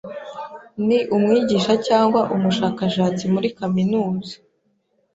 Ni umwigisha cyangwa umushakashatsi muri kaminuza